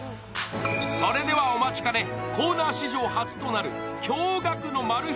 それではお待ちかね、コーナー史上初となる驚愕のマル秘